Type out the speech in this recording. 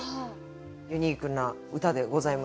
ユニークな歌でございました。